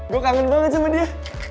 gue kangen banget sama dia